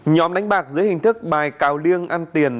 nhóm đánh bạc dưới hình thức bài cào liêng ăn tiền